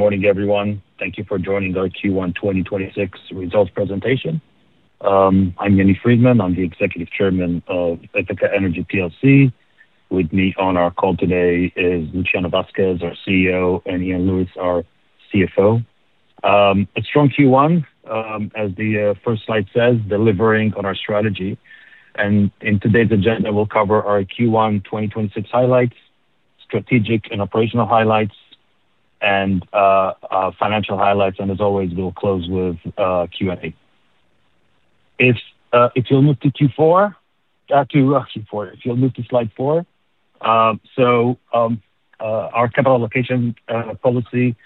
Good morning, everyone. Thank you for joining our Q1 2026 results presentation. I'm Yaniv Friedman. I'm the Executive Chairman of Ithaca Energy PLC. With me on our call today is Luciano Vasques, our CEO, and Iain Lewis, our CFO It's Strong Q1, as the first slide says, delivering on our strategy. In today's agenda, we'll cover our Q1 2026 highlights, strategic and operational highlights, and financial highlights. As always, we'll close with Q&A. If you'll move to slide four. Our capital allocation policy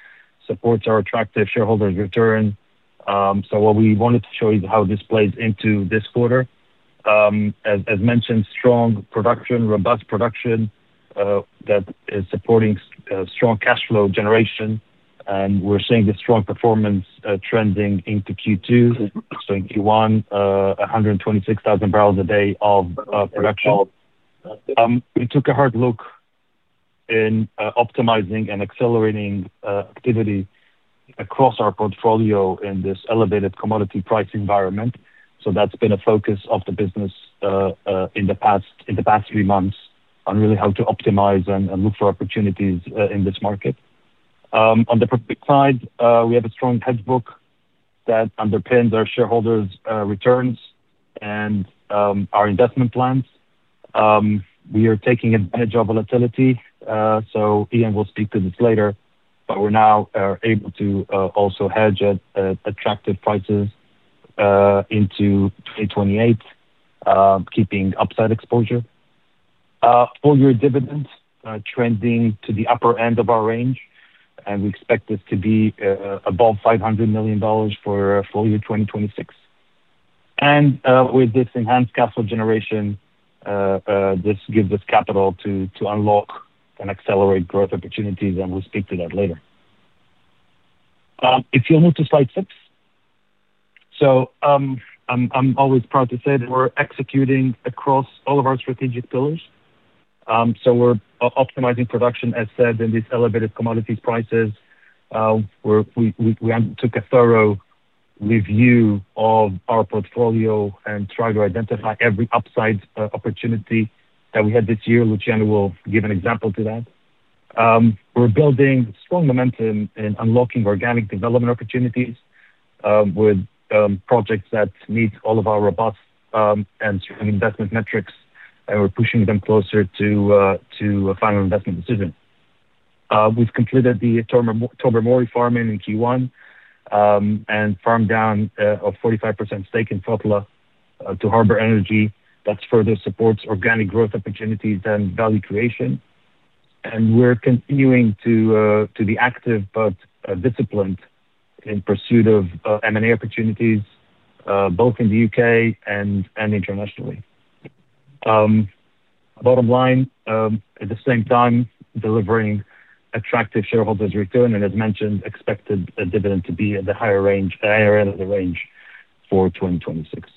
supports our attractive shareholders' return. What we wanted to show is how this plays into this quarter. As mentioned, strong production, robust production that is supporting strong cash flow generation. We're seeing this strong performance trending into Q2. In Q1, 126,000 bbl a day of production. We took a hard look in optimizing and accelerating activity across our portfolio in this elevated commodity price environment. That's been a focus of the business in the past three months on really how to optimize and look for opportunities in this market. On the profit side, we have a strong hedge book that underpins our shareholders' returns and our investment plans. We are taking advantage of volatility. Iain will speak to this later. We're now able to also hedge at attractive prices into 2028, keeping upside exposure. Full-year dividends trending to the upper end of our range. We expect this to be above $500 million for full year 2026. With this enhanced cash flow generation, this gives us capital to unlock and accelerate growth opportunities. We'll speak to that later. If you'll move to slide six. I'm always proud to say that we're executing across all of our strategic pillars. We're optimizing production, as said, in these elevated commodities prices. We took a thorough review of our portfolio and tried to identify every upside opportunity that we had this year. Luciano will give an example to that. We're building strong momentum in unlocking organic development opportunities with projects that meet all of our robust and strong investment metrics. We're pushing them closer to a final investment decision. We've completed the Tobermory farming in Q1 and farmed down a 45% stake in Fotla to Harbour Energy. That further supports organic growth opportunities and value creation. We're continuing to be active but disciplined in pursuit of M&A opportunities, both in the U.K. and internationally. Bottom line, at the same time, delivering attractive shareholders' return and, as mentioned, expected dividend to be at the higher end of the range for 2026.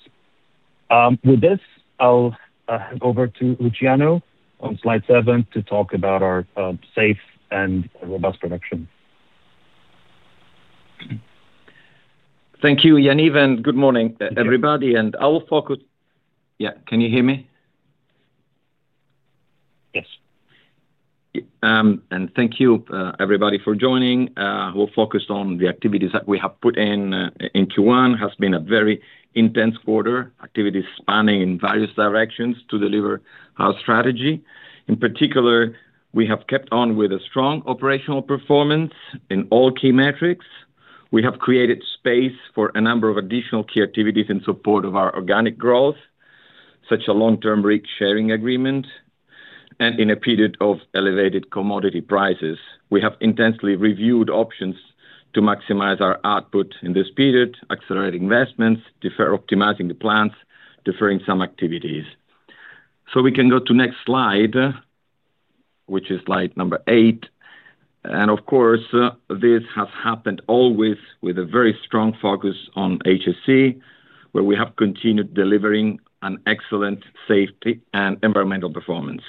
With this, I'll hand over to Luciano on slide seven to talk about our safe and robust production. Thank you, Yaniv. Good morning, everybody. Yeah, can you hear me? Yes. Thank you, everybody, for joining. We're focused on the activities that we have put in Q1. It has been a very intense quarter, activities spanning in various directions to deliver our strategy. In particular, we have kept on with a strong operational performance in all key metrics. We have created space for a number of additional key activities in support of our organic growth, such as a long-term REIT sharing agreement. In a period of elevated commodity prices, we have intensely reviewed options to maximize our output in this period, accelerating investments, optimizing the plans, deferring some activities. We can go to next slide, which is slide number eight. Of course, this has happened always with a very strong focus on HSE, where we have continued delivering excellent safety and environmental performance.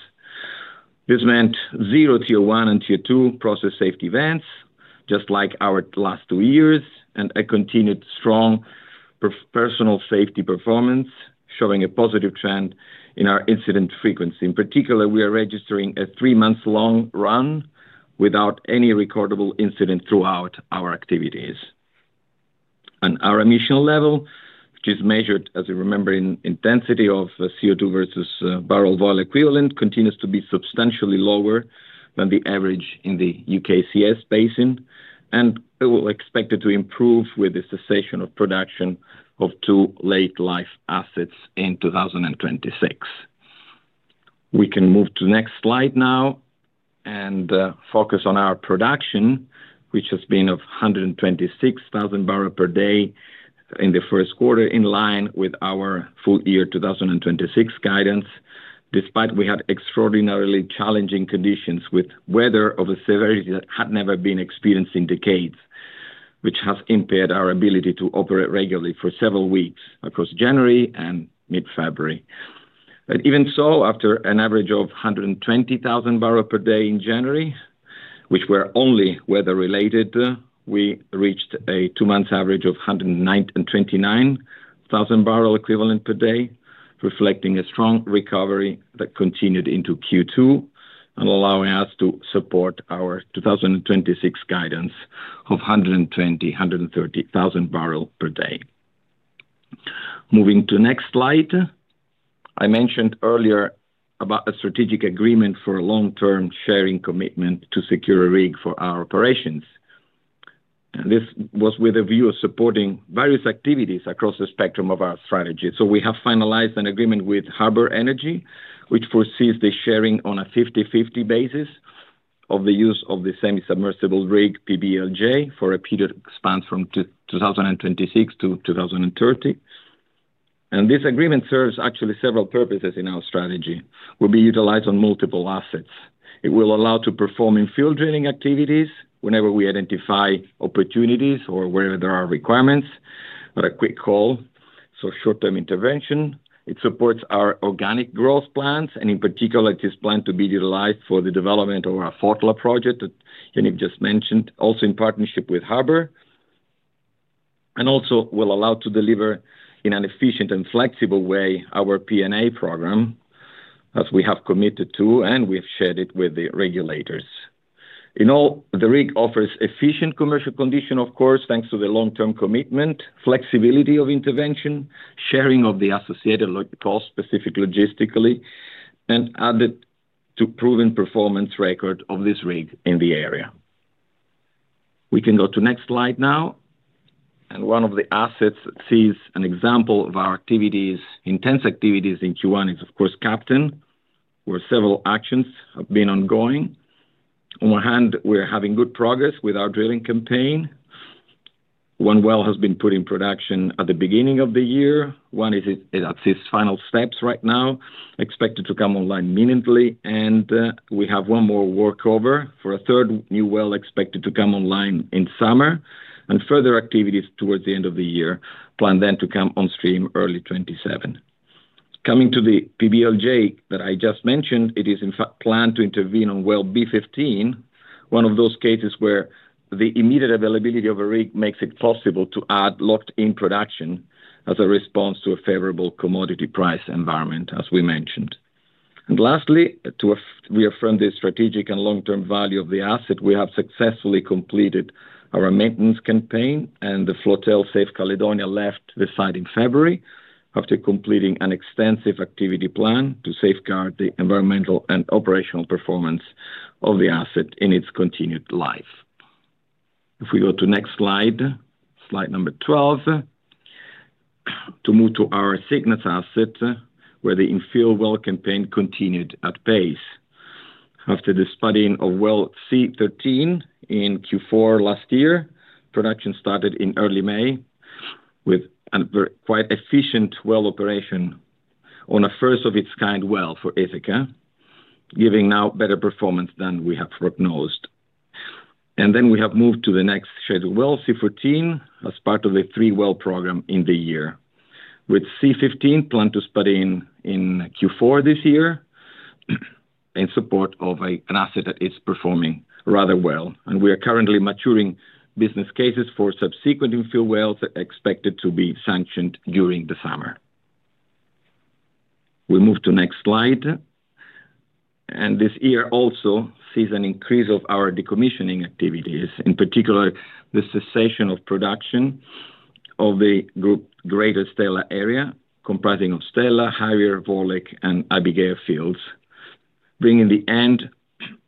This meant zero Tier 1 and Tier 2 process safety events, just like our last twoyears, and a continued strong personal safety performance, showing a positive trend in our incident frequency. In particular, we are registering a three-month-long run without any recordable incident throughout our activities. Our emission level, which is measured, as you remember, in intensity of CO2 versus barrel volume equivalent, continues to be substantially lower than the average in the UKCS basin. It will be expected to improve with the cessation of production of two late-life assets in 2026. We can move to next slide now and focus on our production, which has been of 126,000 barrels per day in the first quarter, in line with our full year 2026 guidance, despite we had extraordinarily challenging conditions with weather of a severity that had never been experienced in decades, which has impaired our ability to operate regularly for several weeks across January and mid-February. Even so, after an average of 120,000 bbl per day in January, which were only weather-related, we reached a two-month average of 129,000 bbl equivalent per day, reflecting a strong recovery that continued into Q2 and allowing us to support our 2026 guidance of 120,000 bbl-130,000 bbl per day. Moving to next slide. I mentioned earlier about a strategic agreement for a long-term sharing commitment to secure a rig for our operations. This was with a view of supporting various activities across the spectrum of our strategy. We have finalized an agreement with Harbour Energy, which foresees the sharing on a 50/50 basis of the use of the semi-submersible rig PBLJ for a period that spans from 2026 to 2030. This agreement serves actually several purposes in our strategy. It will be utilized on multiple assets. It will allow us to perform infield drilling activities whenever we identify opportunities or wherever there are requirements. Got a quick call, so short-term intervention. It supports our organic growth plans. In particular, it is planned to be utilized for the development of our Fotla project that Yaniv just mentioned, also in partnership with Harbour. Also will allow us to deliver in an efficient and flexible way our P&A program, as we have committed to and we have shared it with the regulators. The rig offers efficient commercial conditions, of course, thanks to the long-term commitment, flexibility of intervention, sharing of the associated costs, specifically logistically, added to proven performance record of this rig in the area. We can go to next slide now. One of the assets that sees an example of our intense activities in Q1 is, of course, Captain, where several actions have been ongoing. On one hand, we are having good progress with our drilling campaign. One well has been put in production at the beginning of the year. One is at its final steps right now, expected to come online immediately. We have one more workover for a third new well expected to come online in summer. Further activities towards the end of the year plan then to come on stream early 2027. Coming to the PBLJ that I just mentioned, it is, in fact, planned to intervene on well B15, one of those cases where the immediate availability of a rig makes it possible to add locked-in production as a response to a favorable commodity price environment, as we mentioned. Lastly, to reaffirm the strategic and long-term value of the asset, we have successfully completed our maintenance campaign. The Flotel Safe Caledonia left the site in February after completing an extensive activity plan to safeguard the environmental and operational performance of the asset in its continued life. If we go to next slide number 12, to move to our Cygnus asset, where the infield well campaign continued at pace. After the spudding of well C13 in Q4 last year, production started in early May with quite efficient well operation on a first-of-its-kind well for Ithaca, giving now better performance than we have prognosed. Then we have moved to the next scheduled well, C14, as part of the three well program in the year, with C15 planned to spud in Q4 this year in support of an asset that is performing rather well. We are currently maturing business cases for subsequent infield wells that are expected to be sanctioned during the summer. We move to next slide. This year also sees an increase of our decommissioning activities, in particular, the cessation of production of the grouped Greater Stella Area, comprising of Stella, Harrier Vorlich, and Abigail fields, bringing the end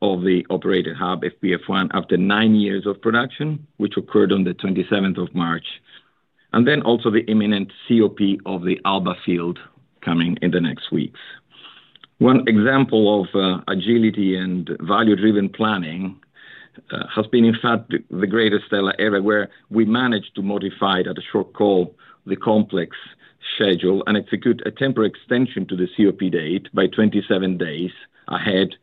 of the operated hub, FPF1, after nine years of production, which occurred on March 27th. Also the imminent COP of the Alba field coming in the next weeks. One example of agility and value-driven planning has been, in fact, the Greater Stella Area, where we managed to modify it at a short call, the complex schedule, and execute a temporary extension to the COP date by 27 days ahead of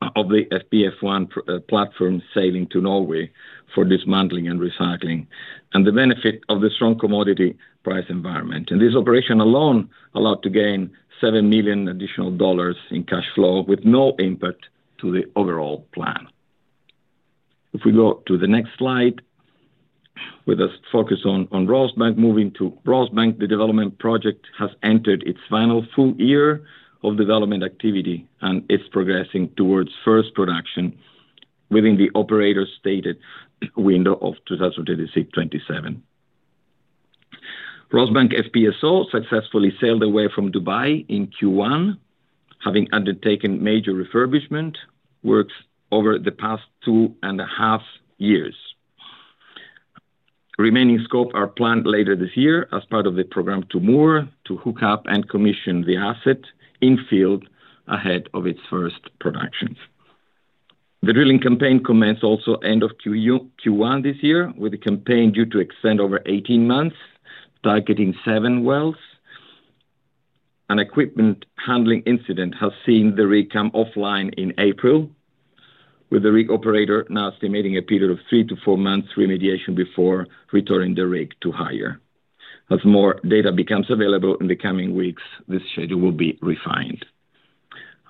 the FPF1 platform sailing to Norway for dismantling and recycling, and the benefit of the strong commodity price environment. This operation alone allowed us to gain GBP 7 million additional in cash flow with no impact to the overall plan. If we go to the next slide, with a focus on Rosebank, moving to Rosebank, the development project has entered its final full year of development activity, and it's progressing towards first production within the operator-stated window of 2026-2027. Rosebank FPSO successfully sailed away from Dubai in Q1, having undertaken major refurbishment works over the past 2.5 years. Remaining scope is planned later this year as part of the program to moor, to hook up, and commission the asset infield ahead of its first productions. The drilling campaign commenced also end of Q1 this year with a campaign due to extend over 18 months, targeting seven wells. An equipment handling incident has seen the rig come offline in April, with the rig operator now estimating a period of three to four months' remediation before returning the rig to hire. As more data becomes available in the coming weeks, this schedule will be refined.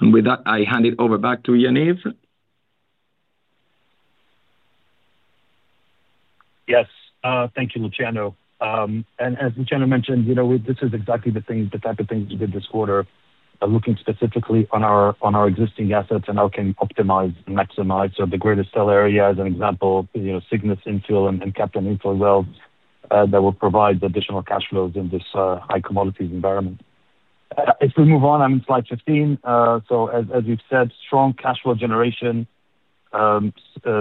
With that, I hand it over back to Yaniv. Yes. Thank you, Luciano. As Luciano mentioned, this is exactly the type of things we did this quarter, looking specifically on our existing assets and how we can optimize and maximize. The Greater Stella Area, as an example, Cygnus infield and Cambo infield wells that will provide additional cash flows in this high commodities environment. If we move on, I'm in slide 15. As we've said, strong cash flow generation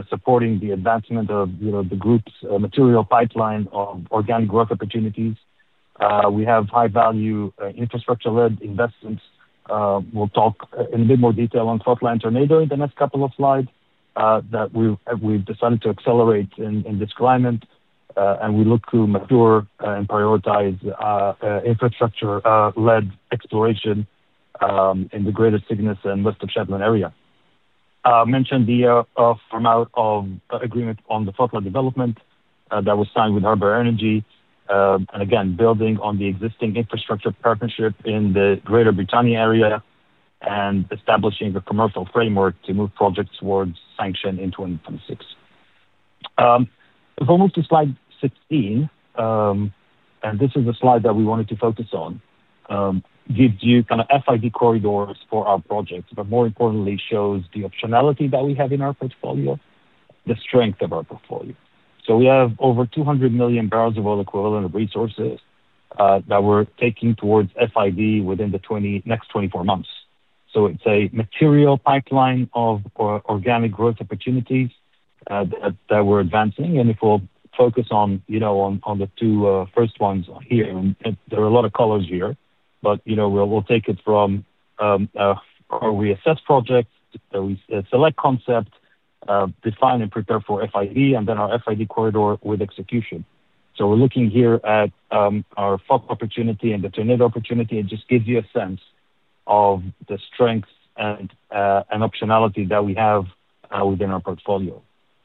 supporting the advancement of the group's material pipeline of organic growth opportunities. We have high-value infrastructure-led investments. We'll talk in a bit more detail on Fotla and Tornado in the next couple of slides that we've decided to accelerate in this climate. We look to mature and prioritize infrastructure-led exploration in the Greater Cygnus and West of Shetland area. I mentioned the farmout of agreement on the Fotla development that was signed with Harbour Energy. Again, building on the existing infrastructure partnership in the Greater Britannia area and establishing a commercial framework to move projects towards sanction in 2026. If we move to slide 16, and this is the slide that we wanted to focus on, gives you kind of FID corridors for our project, but more importantly, shows the optionality that we have in our portfolio, the strength of our portfolio. We have over 200 million bbl of oil equivalent resources that we're taking towards FID within the next 24 months. It's a material pipeline of organic growth opportunities that we're advancing. If we'll focus on the two first ones here, there are a lot of colors here, but we'll take it from our reassess project, select concept, define and prepare for FID, and then our FID corridor with execution. We're looking here at our Fotla opportunity and the Tornado opportunity. It just gives you a sense of the strengths and optionality that we have within our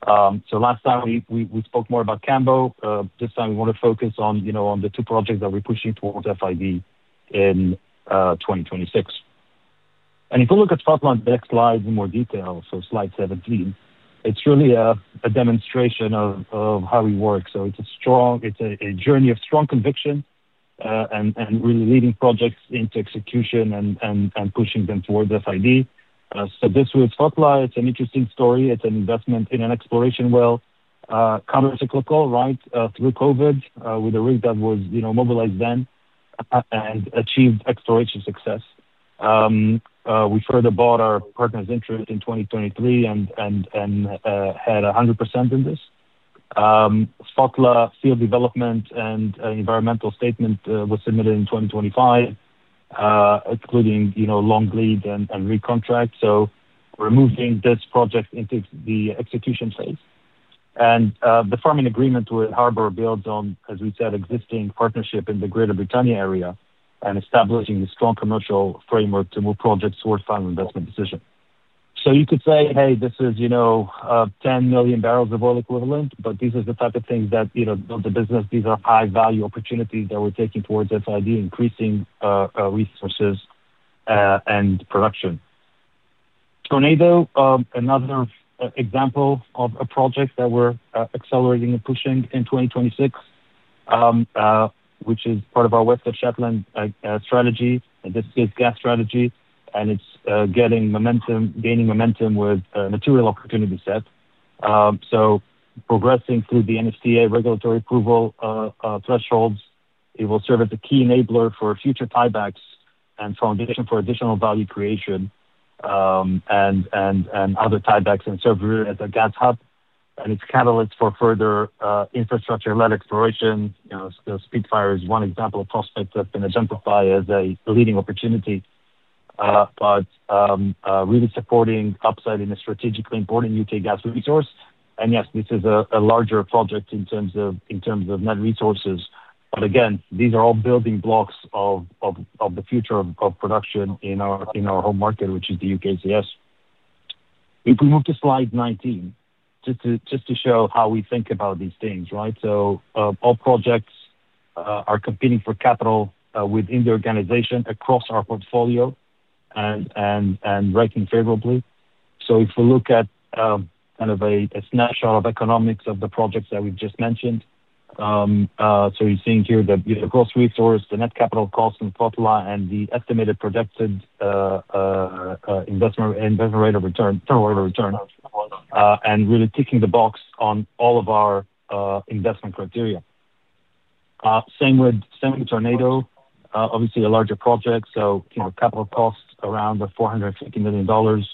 portfolio. Last time, we spoke more about Cambo. This time, we want to focus on the two projects that we're pushing towards FID in 2026. If we look at Fotla on the next slide in more detail, slide 17, it's really a demonstration of how we work. It's a journey of strong conviction and really leading projects into execution and pushing them towards FID. This with Fotla, it's an interesting story. It's an investment in an exploration well, countercyclical, right, through COVID with a rig that was mobilized then and achieved exploration success. We further bought our partner's interest in 2023 and had 100% in this. Fotla field development and environmental statement was submitted in 2025, including long lead and rig contract. We're moving this project into the execution phase. The farm-in agreement with Harbour builds on, as we said, existing partnership in the Greater Britannia area and establishing a strong commercial framework to move projects towards final investment decision. You could say, "Hey, this is 10 million barrels of oil equivalent," these are the type of things that build the business. These are high-value opportunities that we're taking towards FID, increasing resources and production. Tornado, another example of a project that we're accelerating and pushing in 2026, which is part of our West of Shetland strategy, in this case, gas strategy. It's gaining momentum with material opportunity set. Progressing through the NSTA regulatory approval thresholds, it will serve as a key enabler for future tie-backs and foundation for additional value creation and other tie-backs and serve really as a gas hub. It's a catalyst for further infrastructure-led exploration. The Spitfire is one example of prospects that's been identified as a leading opportunity, but really supporting upside in a strategically important U.K. gas resource. Yes, this is a larger project in terms of net resources. Again, these are all building blocks of the future of production in our home market, which is the UKCS. If we move to slide 19, just to show how we think about these things, right? All projects are competing for capital within the organization, across our portfolio, and ranking favorably. If we look at kind of a snapshot of economics of the projects that we've just mentioned, you're seeing here the gross resource, the net capital costs in Fotla, and the estimated projected investment rate of return and really ticking the box on all of our investment criteria. Same with Tornado, obviously, a larger project. Capital costs around the GBP 450 million,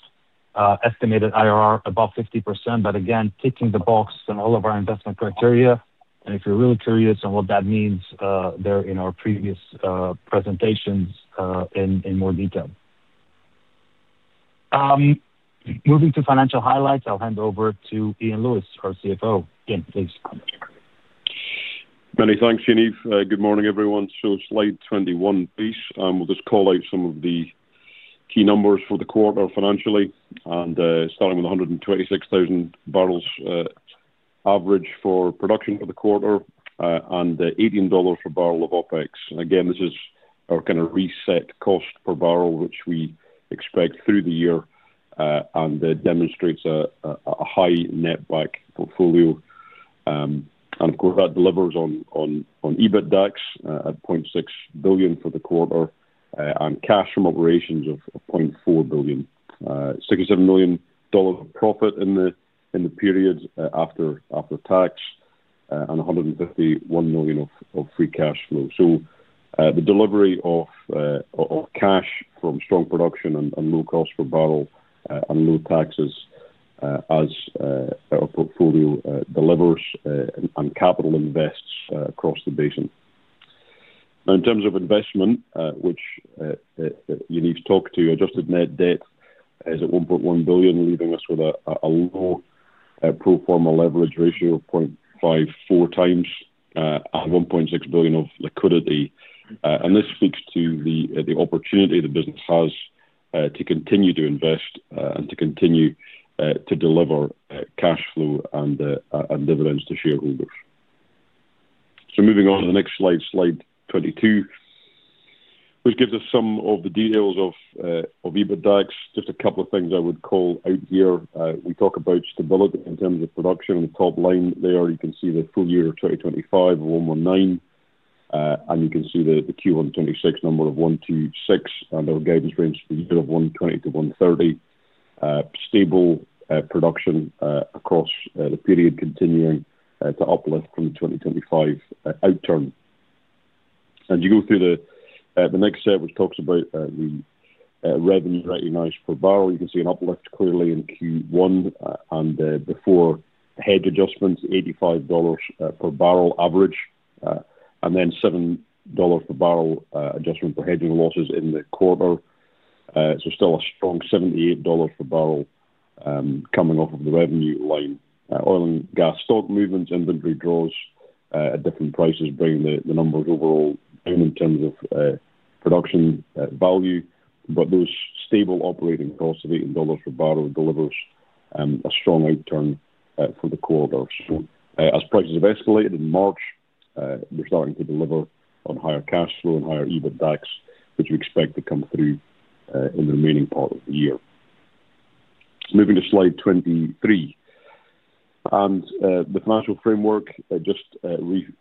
estimated IRR above 50%. Again, ticking the box on all of our investment criteria. If you're really curious on what that means, they're in our previous presentations in more detail. Moving to financial highlights, I'll hand over to Iain Lewis, our CFO. Iain, please. Many thanks, Yaniv. Good morning, everyone. Slide 21, please. We'll just call out some of the key numbers for the quarter financially, starting with 126,000 bbl average for production for the quarter and GBP 18 per barrel of OpEx. Again, this is our kind of reset cost per barrel, which we expect through the year and demonstrates a high net back portfolio. Of course, that delivers on EBITDA at 0.6 billion for the quarter and cash from operations of 0.4 billion, GBP 67 million of profit in the period after tax and 151 million of free cash flow. The delivery of cash from strong production and low cost per barrel and low taxes, as our portfolio delivers, and capital invests across the basin. In terms of investment, which Yaniv talked to, adjusted net debt is at 1.1 billion, leaving us with a low pro forma leverage ratio of 0.54 times and 1.6 billion of liquidity. This speaks to the opportunity the business has to continue to invest and to continue to deliver cash flow and dividends to shareholders. Moving on to the next slide 22, which gives us some of the details of EBITDA. Just a couple of things I would call out here. We talk about stability in terms of production. On the top line there, you can see the full year of 2025 of 119. You can see the Q1 2026 number of 126 and our guidance range for the year of 120-130, stable production across the period continuing to uplift from the 2025 outturn. You go through the next set, which talks about the revenue recognized per barrel. You can see an uplift clearly in Q1 and before hedge adjustments, GBP 85 per barrel average, and then GBP 7 per barrel adjustment for hedging losses in the quarter. Still a strong GBP 78 per barrel coming off of the revenue line. Oil and gas stock movements, inventory draws at different prices, bringing the numbers overall down in terms of production value. Those stable operating costs of GBP 8 per barrel delivers a strong outturn for the quarter. As prices have escalated in March, we're starting to deliver on higher cash flow and higher EBITDA, which we expect to come through in the remaining part of the year. Moving to slide 23. The financial framework just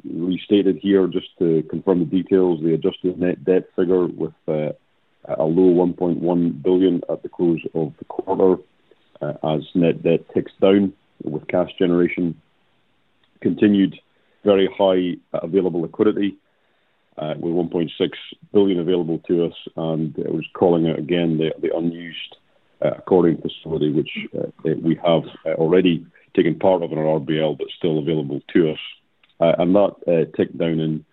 restated here, just to confirm the details, the adjusted net debt figure with a low 1.1 billion at the close of the quarter as net debt ticks down with cash generation, continued very high available liquidity with 1.6 billion available to us. I was calling out again the unused accordion facility, which we have already taken part of in our RBL but still available to us. That ticked down in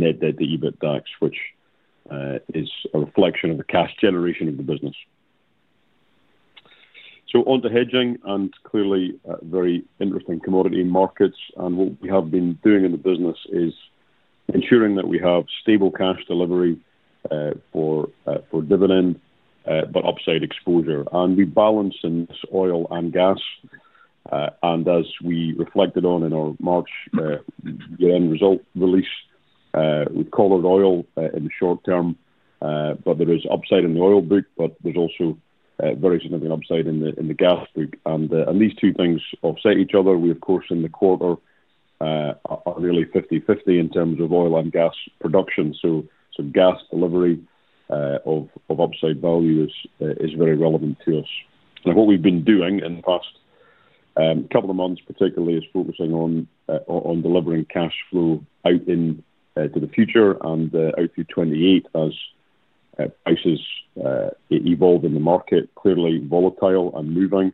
net debt to EBITDA, which is a reflection of the cash generation of the business. Onto hedging and clearly very interesting commodity markets. What we have been doing in the business is ensuring that we have stable cash delivery for dividend but upside exposure. We balance in this oil and gas. As we reflected on in our March year-end result release, we've colored oil in the short term. There is upside in the oil book, but there is also very significant upside in the gas book. These two things offset each other. We, of course, in the quarter are nearly 50/50 in terms of oil and gas production. Gas delivery of upside value is very relevant to us. What we've been doing in the past couple of months, particularly, is focusing on delivering cash flow out into the future and out through 2028 as prices evolve in the market, clearly volatile and moving.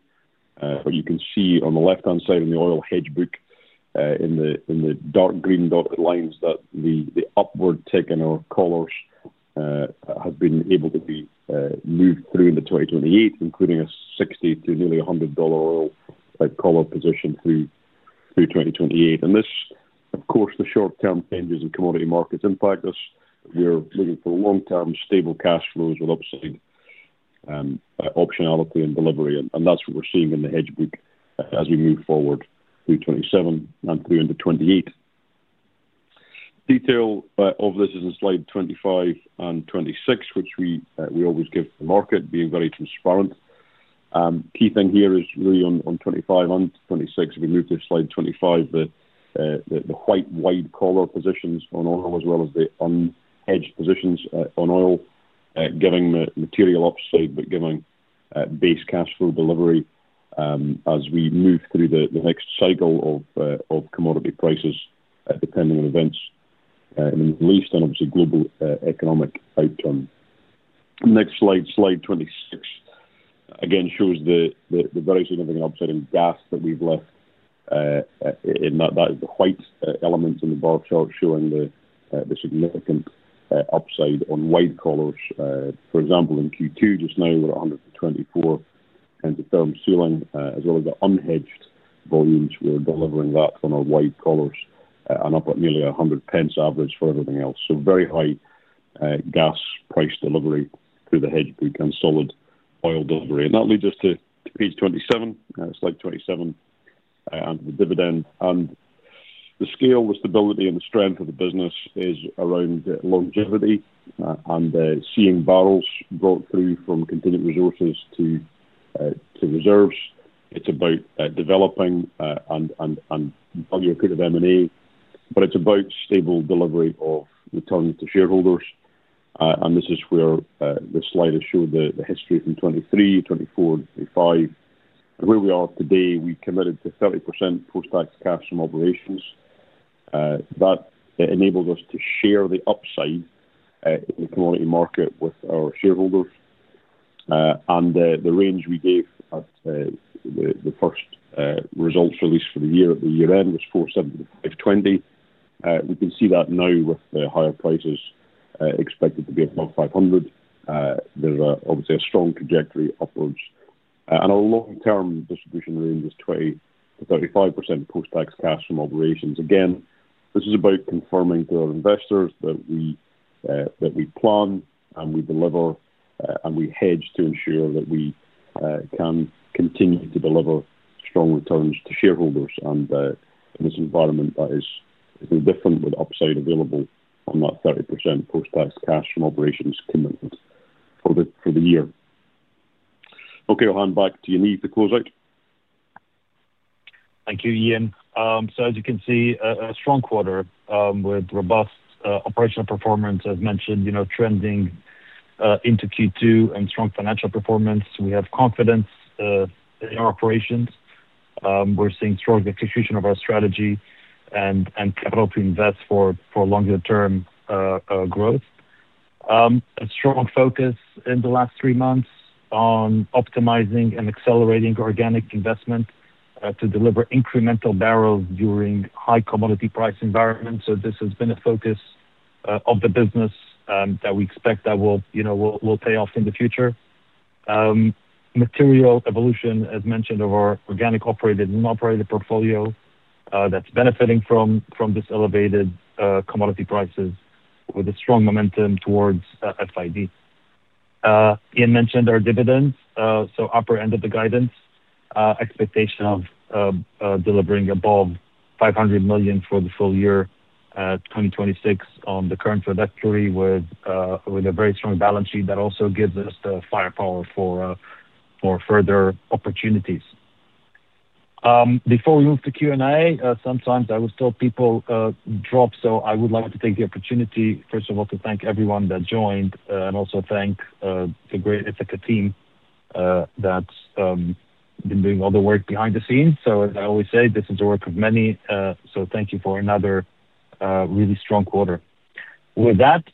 You can see on the left-hand side in the oil hedge book, in the dark green dotted lines, that the upward tick in our colors has been able to be moved through into 2028, including a GBP 60-nearly GBP 100 oil-type collar position through 2028. This, of course, the short-term changes in commodity markets impact us. We're looking for long-term stable cash flows with upside optionality and delivery. That's what we're seeing in the hedge book as we move forward through 2027 and through into 2028. Detail of this is in slide 25 and 26, which we always give to the market, being very transparent. Key thing here is really on 25 and 26, if we move to slide 25, the white wide collar positions on oil as well as the unhedged positions on oil, giving material upside but giving base cash flow delivery as we move through the next cycle of commodity prices, depending on events in the Middle East and, obviously, global economic outturn. Next slide 26, again, shows the very significant upside in gas that we've left. That is the white element in the bar chart showing the significant upside on wide collars. For example, in Q2 just now, we're at 124 into firm ceiling, as well as the unhedged volumes. We're delivering that on our wide collars and up at nearly 1.00 average for everything else. Very high gas price delivery through the hedge book and solid oil delivery. That leads us to page 27, slide 27, and the dividend. The scale, the stability, and the strength of the business is around longevity and seeing barrels brought through from continued resources to reserves. It's about developing and value accrued of M&A. It's about stable delivery of return to shareholders. This is where this slide has shown the history from 2023, 2024, 2025, and where we are today. We committed to 30% post-tax cash from operations. That enabled us to share the upside in the commodity market with our shareholders. The range we gave at the first results release for the year at the year-end was 470-520. We can see that now with the higher prices expected to be above 500. There's obviously a strong trajectory upwards. Our long-term distribution range is 20%-35% post-tax cash from operations. Again, this is about confirming to our investors that we plan and we deliver and we hedge to ensure that we can continue to deliver strong returns to shareholders. In this environment, that is no different with upside available on that 30% post-tax cash from operations commitment for the year. Okay, I'll hand back to Yaniv to close out. Thank you, Iain. As you can see, a strong quarter with robust operational performance, as mentioned, trending into Q2 and strong financial performance. We have confidence in our operations. We're seeing strong execution of our strategy and capital to invest for longer-term growth. A strong focus in the last three months on optimizing and accelerating organic investment to deliver incremental barrels during high commodity price environments. This has been a focus of the business that we expect that will pay off in the future. Material evolution, as mentioned, of our organic operated and unoperated portfolio that's benefiting from this elevated commodity prices with a strong momentum towards FID. Iain mentioned our dividends. Upper end of the guidance, expectation of delivering above 500 million for the full year 2026 on the current trajectory with a very strong balance sheet that also gives us the firepower for further opportunities. Before we move to Q&A, sometimes I would tell people drop. I would like to take the opportunity, first of all, to thank everyone that joined and also thank the great Ithaca team that's been doing all the work behind the scenes. As I always say, this is the work of many. Thank you for another really strong quarter. With that,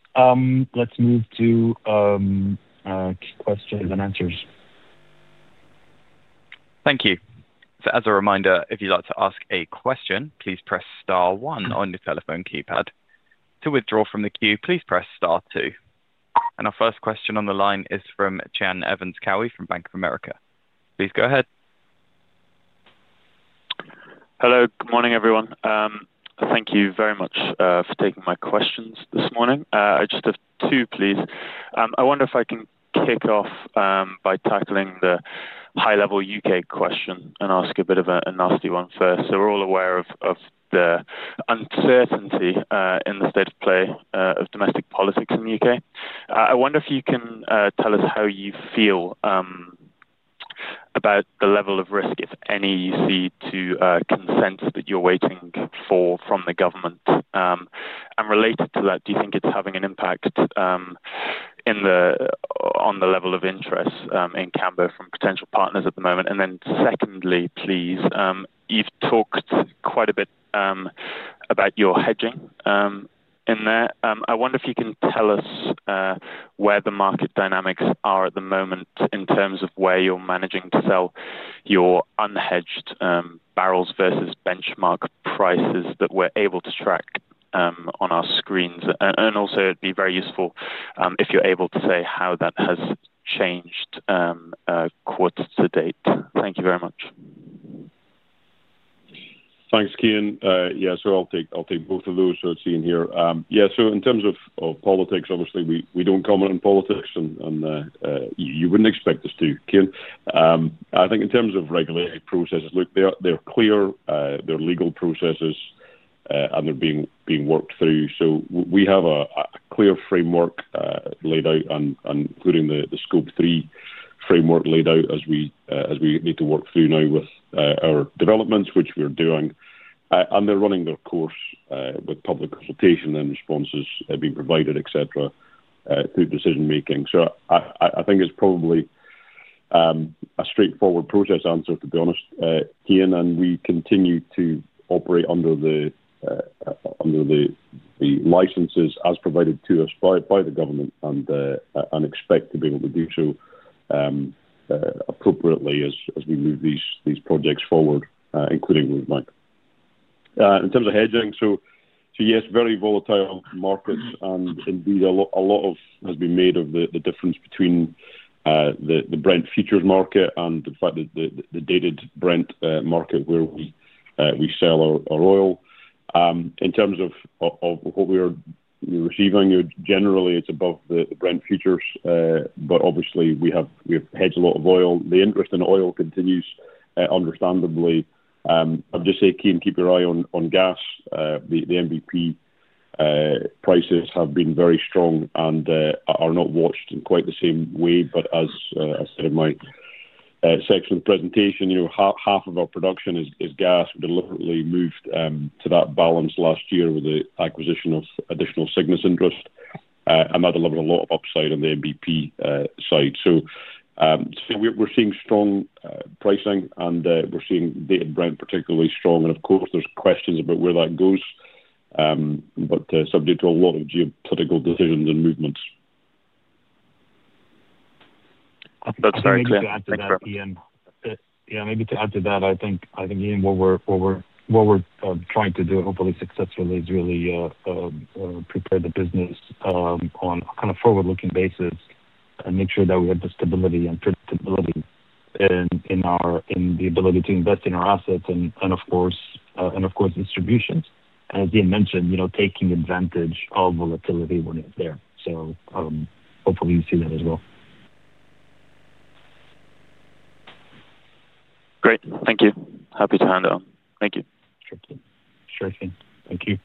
let's move to questions and answers. Thank you. As a reminder, if you'd like to ask a question, please press star one on your telephone keypad. To withdraw from the queue, please press star two. Our first question on the line is from Cian Evans-Cowie from Bank of America. Please go ahead. Hello. Good morning, everyone. Thank you very much for taking my questions this morning. I just have two, please. I wonder if I can kick off by tackling the high-level U.K. question and ask a bit of a nasty one first. We're all aware of the uncertainty in the state of play of domestic politics in the U.K. I wonder if you can tell us how you feel about the level of risk, if any, you see to consents that you're waiting for from the government. Related to that, do you think it's having an impact on the level of interest in Cambo from potential partners at the moment? Secondly, please, you've talked quite a bit about your hedging in there. I wonder if you can tell us where the market dynamics are at the moment in terms of where you're managing to sell your unhedged barrels versus benchmark prices that we're able to track on our screens. Also, it'd be very useful if you're able to say how that has changed quarter to date. Thank you very much. Thanks, Cian. I'll take both of those as seen here. In terms of politics, obviously, we don't comment on politics, and you wouldn't expect us to, Cian. I think in terms of regulatory processes, look, they're clear. They're legal processes, and they're being worked through. We have a clear framework laid out, including the Scope three framework laid out as we need to work through now with our developments, which we're doing. They're running their course with public consultation and responses being provided, etc., through decision-making. I think it's probably a straightforward process answer, to be honest, Cian. We continue to operate under the licenses as provided to us by the government and expect to be able to do so appropriately as we move these projects forward, including Rosebank. In terms of hedging, yes, very volatile markets. Indeed, a lot has been made of the difference between the Brent futures market and the fact that the dated Brent market where we sell our oil. In terms of what we are receiving, generally, it's above the Brent futures. Obviously, we have hedged a lot of oil. The interest in oil continues, understandably. I'll just say, Cian, keep your eye on gas. The NBP prices have been very strong and are not watched in quite the same way. As I said in my section of the presentation, half of our production is gas. We deliberately moved to that balance last year with the acquisition of additional Cygnus interest. That delivered a lot of upside on the NBP side. We're seeing strong pricing, and we're seeing dated Brent particularly strong. Of course, there's questions about where that goes, but subject to a lot of geopolitical decisions and movements. That's very clear. Thanks, Cian. Maybe to add to that, I think, Iain, what we're trying to do, hopefully successfully, is really prepare the business on a kind of forward-looking basis and make sure that we have the stability and predictability in the ability to invest in our assets and, of course, distributions. As Iain mentioned, taking advantage of volatility when it's there. Hopefully, you see that as well. Great. Thank you. Happy to hand it on. Thank you. Sure thing. Thank you.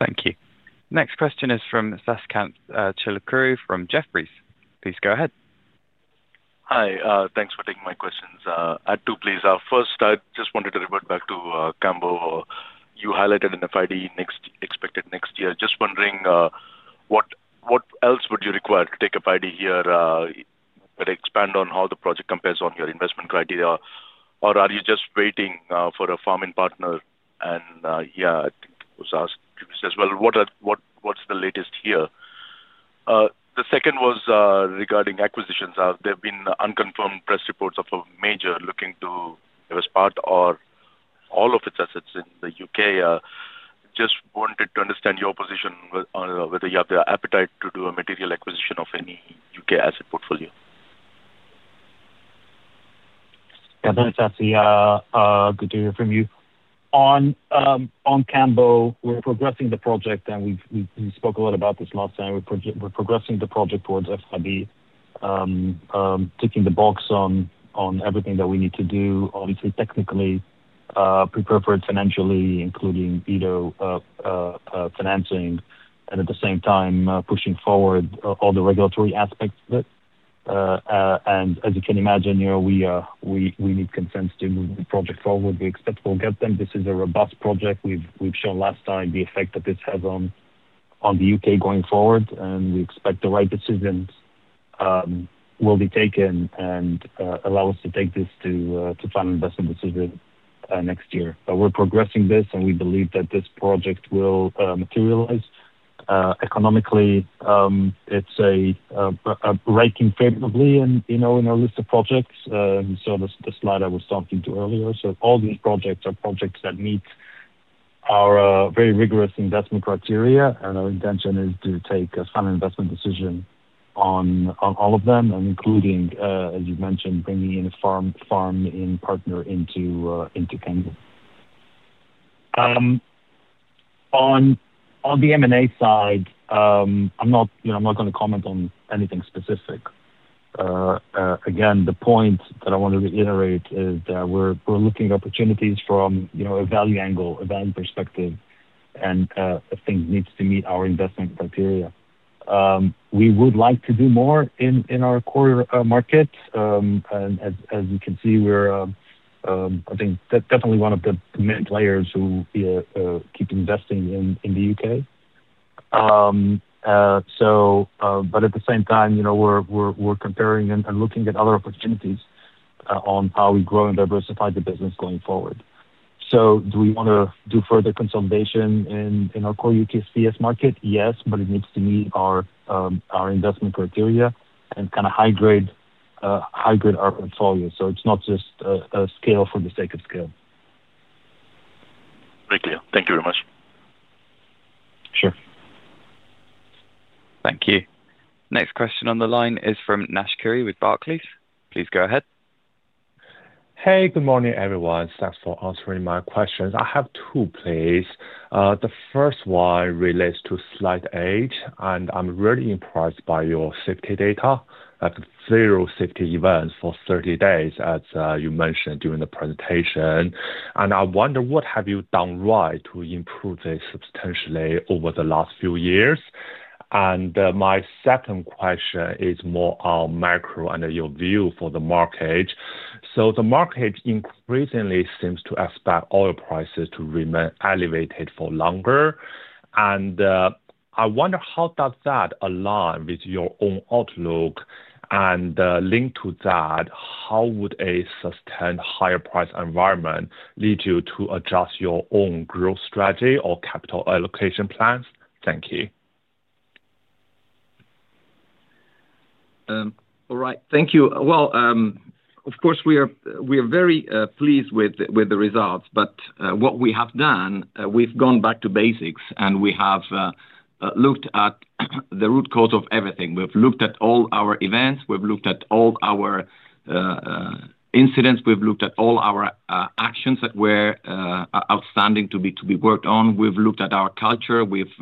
Thank you. Next question is from Sasikanth Chilukuru from Jefferies. Please go ahead. Hi. Thanks for taking my questions. I do, please. I just wanted to revert back to Cambo. You highlighted an FID expected next year. Just wondering, what else would you require to take FID here? Could expand on how the project compares on your investment criteria? Are you just waiting for a farming partner? Yeah, I think it was asked, as well, what's the latest here? The second was regarding acquisitions. There've been unconfirmed press reports of a major looking to invest part or all of its assets in the U.K. Just wanted to understand your position on whether you have the appetite to do a material acquisition of any U.K. asset portfolio. Good morning, Sasikanth. Good to hear from you. On Cambo, we're progressing the project. We spoke a lot about this last time. We're progressing the project towards FID, ticking the box on everything that we need to do, obviously, technically, prepare for it financially, including ECA financing, and at the same time, pushing forward all the regulatory aspects of it. As you can imagine, we need consents to move the project forward. We expect we'll get them. This is a robust project. We've shown last time the effect that this has on the U.K. going forward. We expect the right decisions will be taken and allow us to take this to final investment decision next year. We're progressing this, and we believe that this project will materialize. Economically, it's ranking favorably in our list of projects. The slide I was talking to earlier. All these projects are projects that meet our very rigorous investment criteria. Our intention is to take a final investment decision on all of them, including, as you mentioned, bringing in a farming partner into Cambo. On the M&A side, I am not going to comment on anything specific. Again, the point that I want to reiterate is that we're looking at opportunities from a value angle, a value perspective, and if things need to meet our investment criteria. We would like to do more in our core market. As you can see, we're, I think, definitely one of the main players who keep investing in the U.K. At the same time, we're comparing and looking at other opportunities on how we grow and diversify the business going forward. Do we want to do further consolidation in our core UKCS market? Yes, it needs to meet our investment criteria and kind of high-grade our portfolio. It's not just a scale for the sake of scale. Thank you. Thank you very much. Sure. Thank you. Next question on the line is from [Nash Chowdhury] with Barclays. Please go ahead. Hey, good morning, everyone. Thanks for answering my questions. I have two, please. The first one relates to slide eight. I'm really impressed by your safety data. You have zero safety events for 30 days, as you mentioned during the presentation. I wonder, what have you done right to improve this substantially over the last few years? My second question is more on macro and your view for the market. The market increasingly seems to expect oil prices to remain elevated for longer. I wonder, how does that align with your own outlook? Linked to that, how would a sustained higher-price environment lead you to adjust your own growth strategy or capital allocation plans? Thank you. All right. Thank you. Well, of course, we are very pleased with the results. What we have done, we've gone back to basics, and we have looked at the root cause of everything. We've looked at all our events. We've looked at all our incidents. We've looked at all our actions that were outstanding to be worked on. We've looked at our culture. We've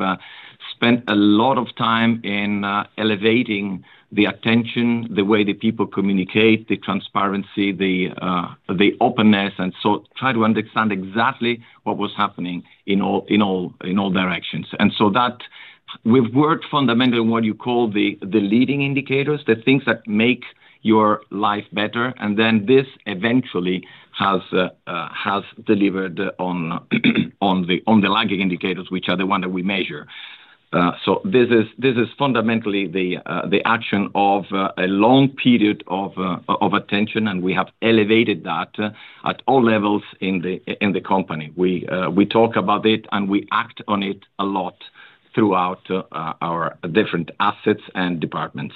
spent a lot of time in elevating the attention, the way the people communicate, the transparency, the openness, and so try to understand exactly what was happening in all directions. We've worked fundamentally on what you call the leading indicators, the things that make your life better. This, eventually, has delivered on the lagging indicators, which are the ones that we measure. This is fundamentally the action of a long period of attention. We have elevated that at all levels in the company. We talk about it, and we act on it a lot throughout our different assets and departments.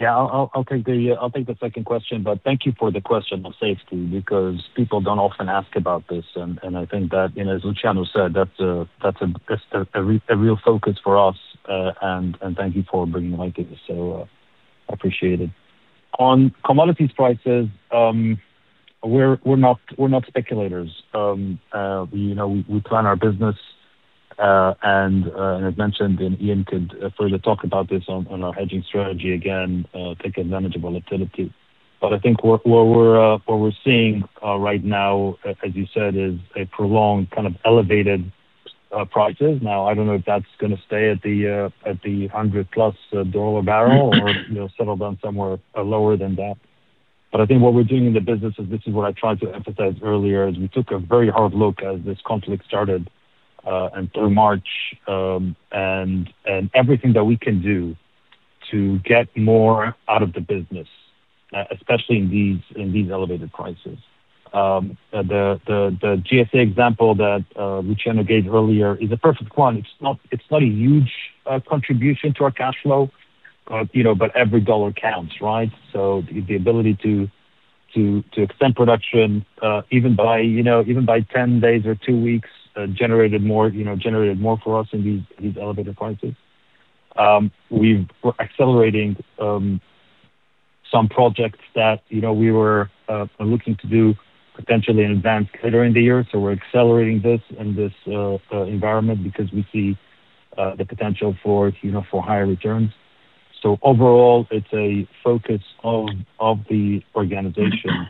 Yeah, I'll take the second question. Thank you for the question of safety because people don't often ask about this. I think that, as Luciano said, that's a real focus for us. Thank you for bringing it up. I appreciate it. On commodities prices, we're not speculators. We plan our business. As mentioned, Iain could further talk about this on our hedging strategy again, take advantage of volatility. I think what we're seeing right now, as you said, is a prolonged kind of elevated prices. Now, I don't know if that's going to stay at the $100+ barrel or settle down somewhere lower than that. I think what we're doing in the business is this is what I tried to emphasize earlier, is we took a very hard look as this conflict started and through March, and everything that we can do to get more out of the business, especially in these elevated prices. The GSA example that Luciano gave earlier is a perfect one. It's not a huge contribution to our cash flow, but every dollar counts, right? The ability to extend production, even by 10 days or two weeks, generated more for us in these elevated prices. We're accelerating some projects that we were looking to do potentially in advance later in the year. We're accelerating this in this environment because we see the potential for higher returns. Overall, it's a focus of the organization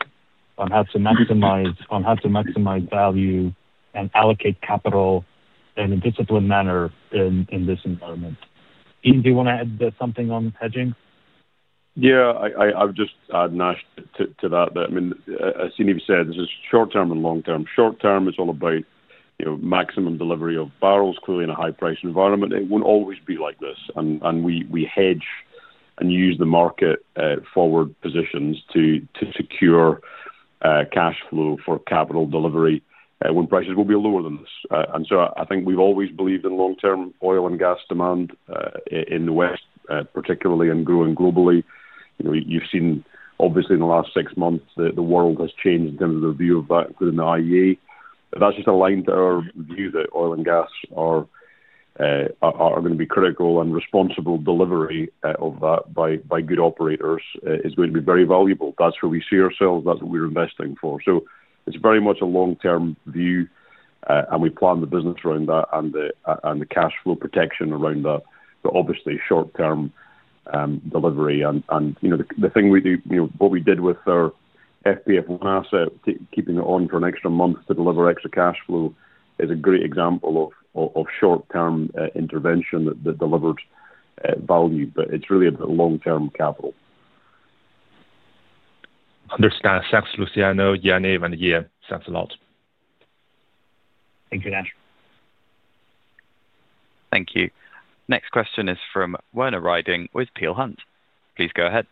on how to maximize value and allocate capital in a disciplined manner in this environment. Iain, do you want to add something on hedging? Yeah, I would just add, Nash, to that. I mean, as Yaniv even said, this is short-term and long-term. Short-term, it's all about maximum delivery of barrels, clearly, in a high-priced environment. It won't always be like this. We hedge and use the market-forward positions to secure cash flow for capital delivery when prices will be lower than this. I think we've always believed in long-term oil and gas demand in the West, particularly and growing globally. You've seen, obviously, in the last six months, the world has changed in terms of their view of that, including the IEA. That's just aligned to our view that oil and gas are going to be critical, and responsible delivery of that by good operators is going to be very valuable. That's where we see ourselves. That's what we're investing for. It's very much a long-term view. We plan the business around that and the cash flow protection around that. Obviously, short-term delivery. The thing we do, what we did with our FPF1 asset, keeping it on for an extra 1 month to deliver extra cash flow, is a great example of short-term intervention that delivered value. It's really a long-term capital. Understood. Thanks, Luciano, Yaniv, and Iain. Thanks a lot. Thank you, Nash. Thank you. Next question is from Werner Riding with Peel Hunt. Please go ahead.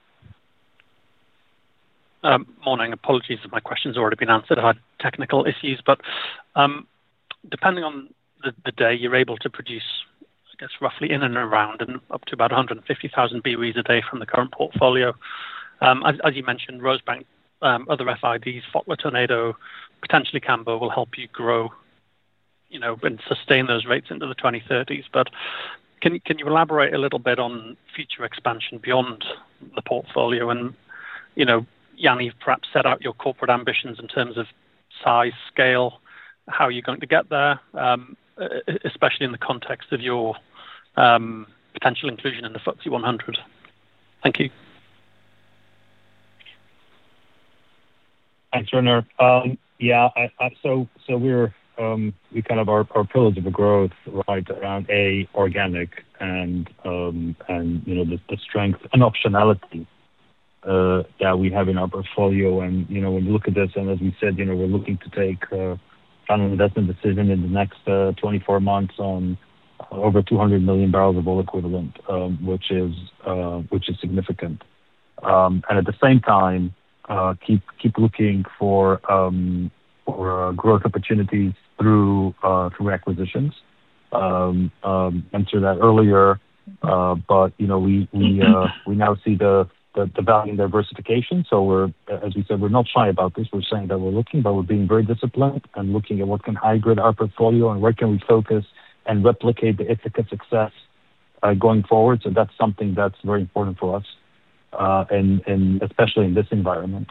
Morning. Apologies if my questions have already been answered. I had technical issues. Depending on the day, you're able to produce, I guess, roughly in and around and up to about 150,000 BOEs a day from the current portfolio. As you mentioned, Rosebank, other FIDs, Fotla, potentially Cambo, will help you grow and sustain those rates into the 2030s. Can you elaborate a little bit on future expansion beyond the portfolio? Yaniv, you've perhaps set out your corporate ambitions in terms of size, scale, how you're going to get there, especially in the context of your potential inclusion in the FTSE 100. Thank you. Thanks, Werner. We're kind of our pillars of growth around A, organic, and the strength and optionality that we have in our portfolio. When you look at this, as we said, we're looking to take final investment decision in the next 24 months on over 200 million bbl of oil equivalent, which is significant. At the same time, keep looking for growth opportunities through acquisitions. I mentioned that earlier. We now see the value and diversification. As we said, we're not shy about this. We're saying that we're looking, we're being very disciplined and looking at what can high-grade our portfolio and where can we focus and replicate the Ithaca success going forward. That's something that's very important for us, especially in this environment.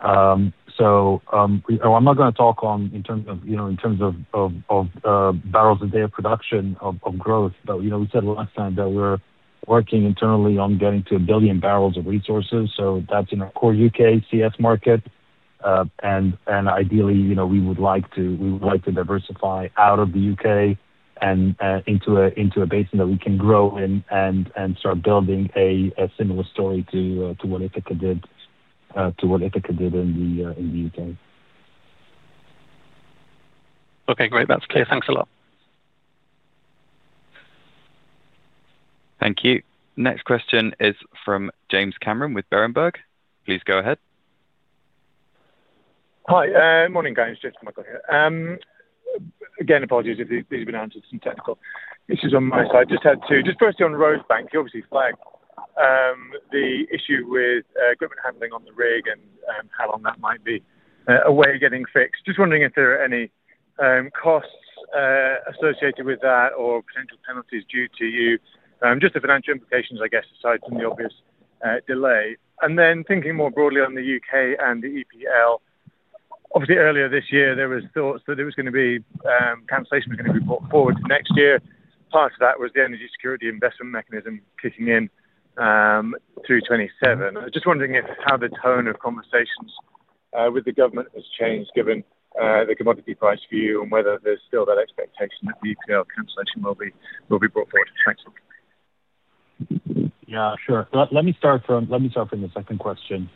I'm not going to talk in terms of barrels a day of production of growth. We said last time that we're working internally on getting to a billion barrels of resources. That's in our core UKCS market. Ideally, we would like to diversify out of the U.K. and into a basin that we can grow in and start building a similar story to what Ithaca did in the U.K.. Okay. Great. That's clear. Thanks a lot. Thank you. Next question is from [James Cameron] with Berenberg. Please go ahead. Hi. Morning, guys. Just a moment here. Again, apologies if these have been answered in technical. This is on my side. Just had two. Firstly, on Rosebank, you obviously flagged the issue with equipment handling on the rig and how long that might be away getting fixed. Just wondering if there are any costs associated with that or potential penalties due to you, just the financial implications, I guess, aside from the obvious delay. Thinking more broadly on the U.K. and the EPL, obviously, earlier this year, there was thoughts that it was going to be cancellation was going to be brought forward to next year. Part of that was the Energy Security Investment Mechanism kicking in through 2027. I was just wondering how the tone of conversations with the government has changed given the commodity price view and whether there's still that expectation that the EPL cancellation will be brought forward to next year? Yeah, sure. Let me start from the second question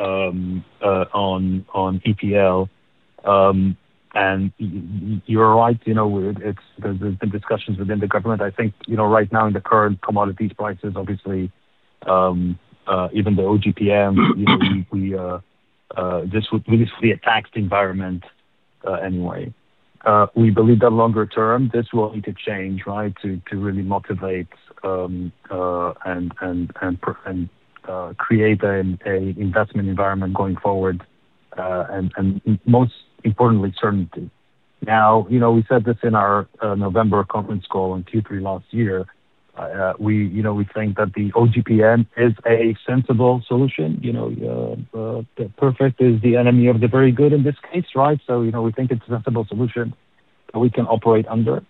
on EPL. You're right. There's been discussions within the government. I think right now, in the current commodities prices, obviously, even the OGPM, this would be a taxed environment anyway. We believe that longer term, this will need to change, right, to really motivate and create an investment environment going forward and, most importantly, certainty. Now, we said this in our November conference call in Q3 last year. We think that the OGPM is a sensible solution. The perfect is the enemy of the very good in this case, right? We think it's a sensible solution that we can operate under.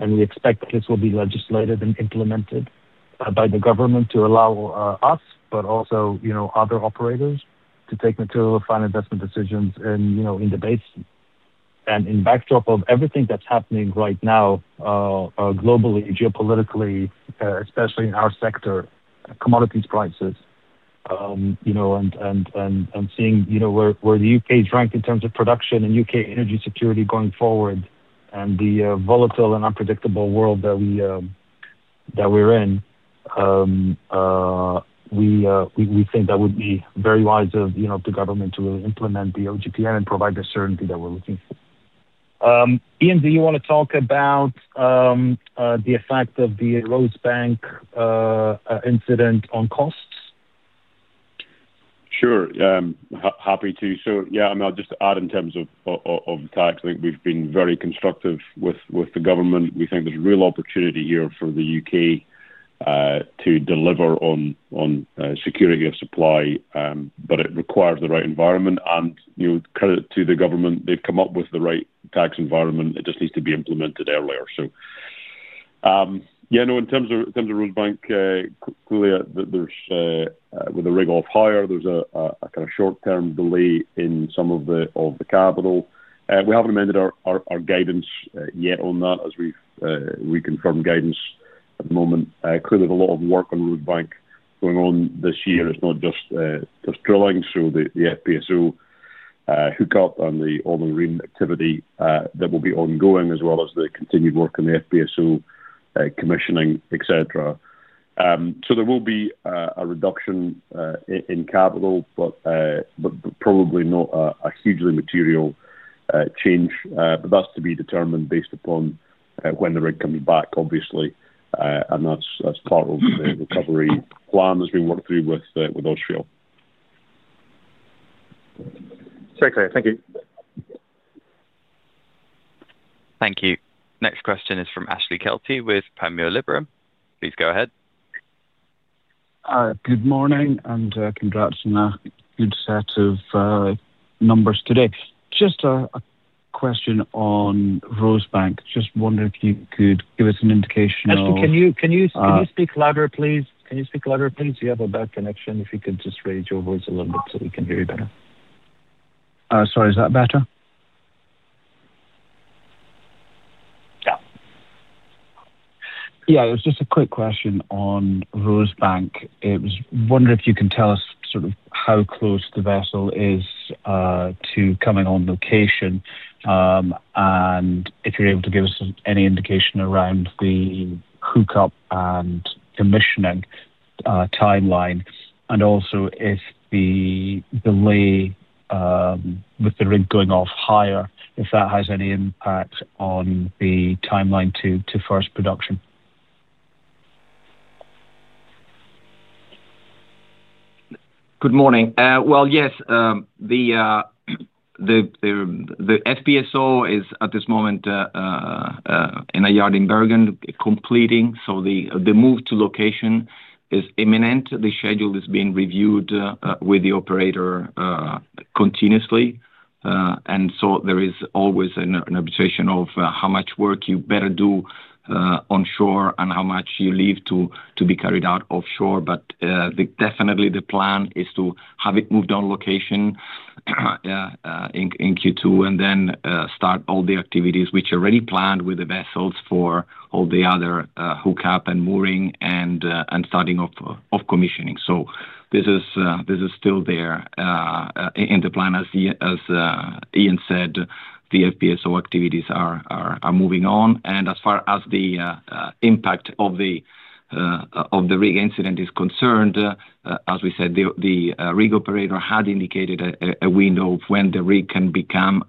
We expect this will be legislated and implemented by the government to allow us, but also other operators, to take material and final investment decisions in the basin. In backdrop of everything that's happening right now globally, geopolitically, especially in our sector, commodities prices, and seeing where the U.K. is ranked in terms of production and U.K. energy security going forward and the volatile and unpredictable world that we're in, we think that would be very wise of the government to really implement the OGPM and provide the certainty that we're looking for. Iain, do you want to talk about the effect of the Rosebank incident on costs? Sure. Happy to. I mean, I'll just add in terms of the tax. I think we've been very constructive with the government. We think there's real opportunity here for the U.K. to deliver on security of supply, but it requires the right environment. Credit to the government. They've come up with the right tax environment. It just needs to be implemented earlier. Yeah, no, in terms of Rosebank, clearly, with the rig off-hire, there's a kind of short-term delay in some of the capital. We haven't amended our guidance yet on that as we confirm guidance at the moment. Clearly, there's a lot of work on Rosebank going on this year. It's not just drilling. The FPSO hookup and the all-in-rig activity that will be ongoing, as well as the continued work on the FPSO commissioning, etc. There will be a reduction in capital, but probably not a hugely material change. That's to be determined based upon when the rig comes back, obviously. That's part of the recovery plan that's been worked through with [Stena]. Certainly. Thank you. Thank you. Next question is from Ashley Kelty with Panmure Liberum. Please go ahead. Good morning and congrats on a good set of numbers today. Just a question on Rosebank. Just wondering if you could give us an indication of. Ashley, can you speak louder, please? Can you speak louder, please? You have a bad connection. If you could just raise your voice a little bit so we can hear you better. Sorry. Is that better? Yeah. Yeah. It was just a quick question on Rosebank. I wonder if you can tell us sort of how close the vessel is to coming on location and if you're able to give us any indication around the hookup and commissioning timeline and also if the delay with the rig going off-hire, if that has any impact on the timeline to first production? Good morning. Well, yes. The FPSO is at this moment in a yard in Bergen completing. The move to location is imminent. The schedule is being reviewed with the operator continuously. There is always an arbitration of how much work you better do onshore and how much you leave to be carried out offshore. Definitely, the plan is to have it moved on location in Q2 and then start all the activities which are already planned with the vessels for all the other hookup and mooring and starting off commissioning. This is still there in the plan. As Iain said, the FPSO activities are moving on. As far as the impact of the rig incident is concerned, as we said, the rig operator had indicated a window of when the rig can become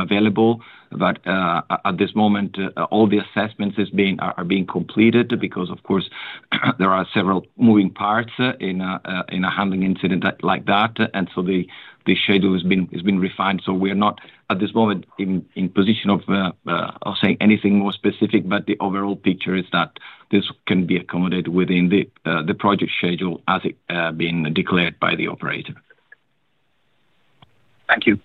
available. At this moment, all the assessments are being completed because, of course, there are several moving parts in a handling incident like that. The schedule has been refined. We are not, at this moment, in position of saying anything more specific. The overall picture is that this can be accommodated within the project schedule as it's been declared by the operator. Thank you.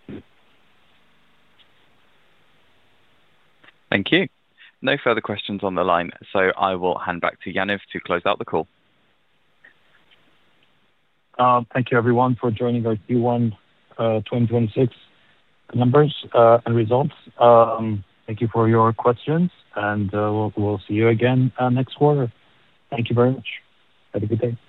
Thank you. No further questions on the line. I will hand back to Iain to close out the call. Thank you, everyone, for joining our Q1 2026 numbers and results. Thank you for your questions. We'll see you again next quarter. Thank you very much. Have a good day.